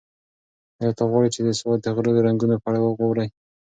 ایا ته غواړې چې د سوات د غرو د رنګونو په اړه واورې؟